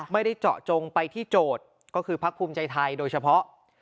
ไม่ได้เจาะจงไปที่โจทย์ก็คือพักภูมิใจไทยโดยเฉพาะ